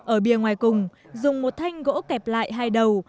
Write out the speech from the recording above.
ở bia ngoài cùng dùng một thanh gỗ kẹp lại hai đầu